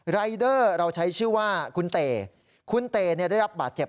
รายเดอร์เราใช้ชื่อว่าคุณเตคุณเต๋ได้รับบาดเจ็บ